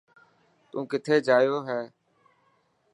تون ڪٿي جايو هي.